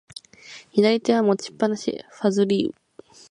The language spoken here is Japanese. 左手は持ちっぱなし、ファズリウ。